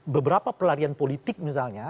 beberapa pelarian politik misalnya